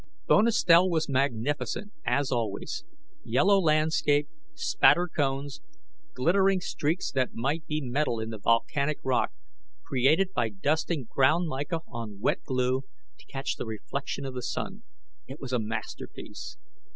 Bonestell was magnificent, as always. Yellow landscape, spatter cones, glittering streaks that might be metal in the volcanic ground created by dusting ground mica on wet glue to catch the reflection of the sun. It was a masterpiece.